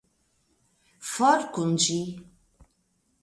For kun ĝi!